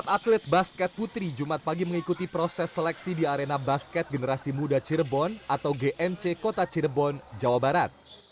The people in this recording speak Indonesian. delapan atlet basket putri jumat pagi mengikuti proses seleksi di arena basket generasi muda cirebon atau gnc kota cirebon jawa barat